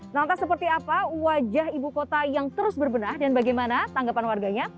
lantas seperti apa wajah ibu kota yang terus berbenah dan bagaimana tanggapan warganya